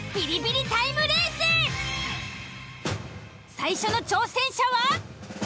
最初の挑戦者は？